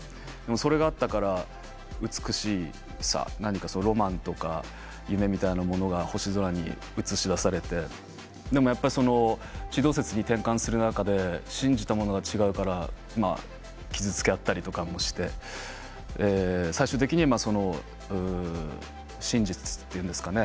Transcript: それがあったから美しさ何かロマンとか夢みたいなものが星空に映し出されてでもやっぱり地動説に転換する中で信じたものが違うから傷つけ合ったりとかもして最終的に真実っていうんですかね